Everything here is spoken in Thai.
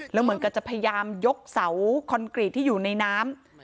แล้วเหมือนกับจะพยายามยกเสาคอนกรีตที่อยู่ในน้ำ